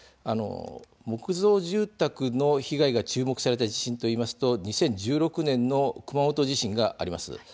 木造住宅の被害が注目された地震というと２０１６年の熊本地震があります。